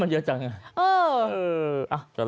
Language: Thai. มันเยอะจังอ่ะ